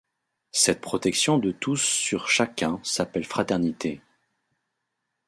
Cette protection de tous sur chacun s’appelle Fraternité.